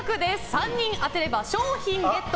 ３人当てれば賞品ゲット！